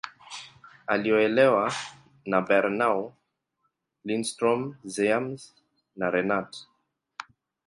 Aliolewa na Bernow, Lindström, Ziems, na Renat.